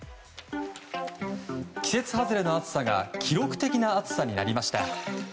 季節外れの暑さが記録的な暑さになりました。